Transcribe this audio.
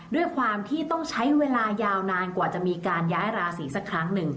ด้วยความที่ต้องใช้เวลายาวนาน